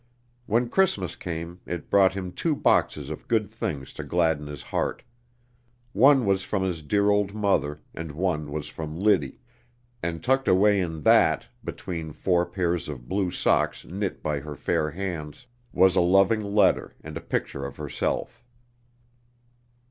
When Christmas came it brought him two boxes of good things to gladden his heart. One was from his dear old mother, and one was from Liddy, and tucked away in that, between four pairs of blue socks knit by her fair hands, was a loving letter and a picture of herself.